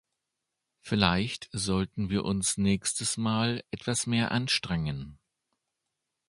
Vielleicht sollten wir uns nächstes Mal etwas mehr anstrengen.